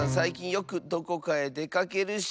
よくどこかへでかけるし。